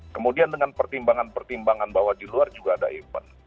kemudian dengan pertimbangan pertimbangan bahwa di luar juga ada event